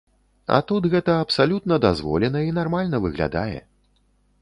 А тут гэта абсалютна дазволена і нармальна выглядае.